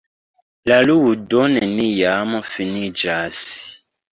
La ludo neniam finiĝas.